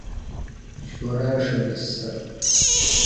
شورہ اݜہ بِسہ